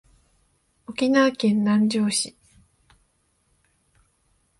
沖縄県南城市